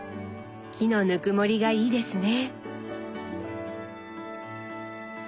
木のぬくもりがいいですね。